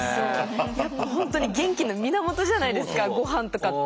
やっぱ本当に元気の源じゃないですかごはんとかって。